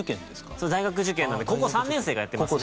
そう大学受験なんで高校３年生がやってますね。